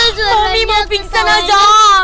aduh zara kami mau pingsan aja